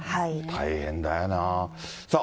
大変だよなあ。